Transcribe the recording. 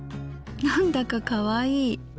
なんだかかわいい。